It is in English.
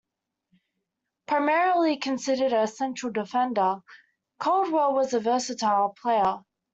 Primarily considered a central defender, Caldwell was a versatile player.